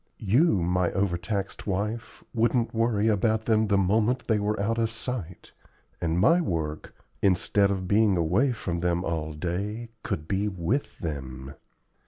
You, my overtaxed wife, wouldn't worry about them the moment they were out of sight, and my work, instead of being away from them all day, could be with them.